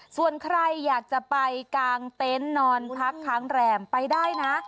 ส่วนใครอยากจะไปกางเต็นต์นอนพักค้างแรมไปได้นะ